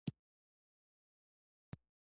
هغه ورته مدني نافرماني وویله.